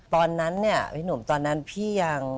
ตอนนั้นเนี่ยพี่หนุ่มตอนนั้นพี่ยัง